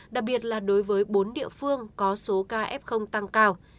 đặc biệt là đối với bốn địa phương có số ca f tăng cao